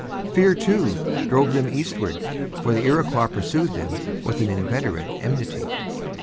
Fear, too, drove them eastward; for the Iroquois pursued them with an inveterate enmity.